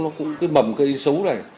nó cũng cái bầm cây xấu này